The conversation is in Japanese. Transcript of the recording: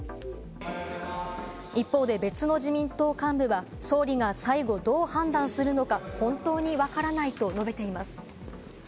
一方で別の自民党幹部は総理が最後どう判断するのか本当にわからないと述べています。